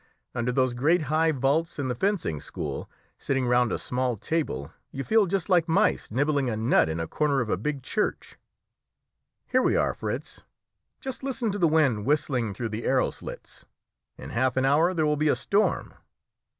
Under those great high vaults in the fencing school, sitting round a small table, you feel just like mice nibbling a nut in a corner of a big church. Here we are, Fritz. Just listen to the wind whistling through the arrow slits. In half an hour there will be a storm."